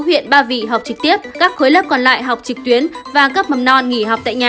huyện ba vì học trực tiếp các khối lớp còn lại học trực tuyến và cấp mầm non nghỉ học tại nhà